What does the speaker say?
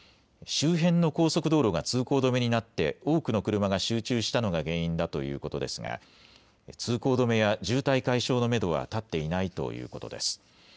周辺の高速道路が通行止めになって多くの車が集中したのが原因だということですが通行止めや渋滞解消のめどは立っていないということです。